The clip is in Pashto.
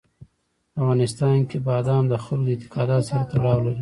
په افغانستان کې بادام د خلکو د اعتقاداتو سره تړاو لري.